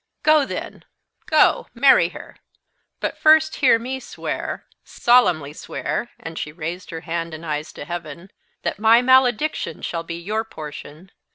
"Go, then go, marry her; but first hear me swear, solemnly swear" and she raised her hand and eyes to heaven "that my malediction shall be your portion!